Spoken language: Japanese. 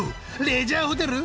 「レジャーホテル？